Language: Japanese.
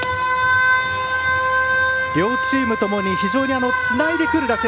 両チームともに非常につないでくる打線。